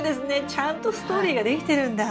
ちゃんとストーリーができてるんだ。